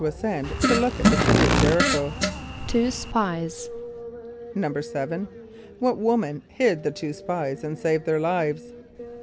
a] send to look at the city of J[)e]r´[)i] ch[=o]? =Two spies.= =7.= What woman hid the two spies and saved their lives?